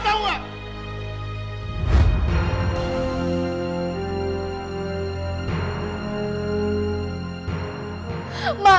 kamu keterlaluan tau gak